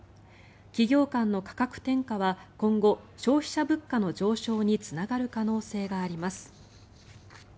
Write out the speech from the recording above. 企業間の価格転嫁は今後、消費者物価の上昇につながる可能性があります。